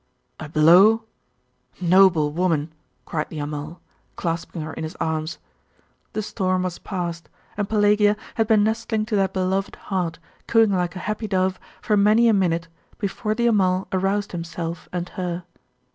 'A blow? Noble woman!' cried the Amal, clasping her in his arms. The storm was past; and Pelagia had been nestling to that beloved heart, cooing like a happy dove, for many a minute before the Amal aroused himself and her....